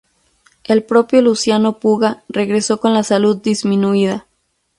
El propio Luciano Puga regresó con la salud disminuida.